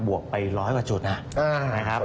วกไปร้อยกว่าจุดนะครับ